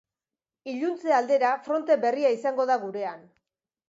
Iluntze aldera, fronte berria izango da gurean.